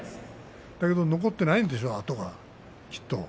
だけど残っていないでしょうがあとが。